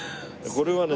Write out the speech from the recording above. これはね